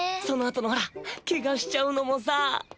そのあとのほらケガしちゃうのもさ。